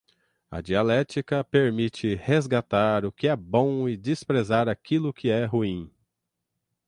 A dialética permite resgatar o que é bom e desprezar aquilo que é ruim